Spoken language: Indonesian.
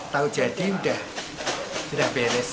tau jadi udah beres